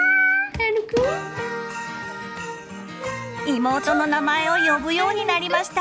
妹の名前を呼ぶようになりました！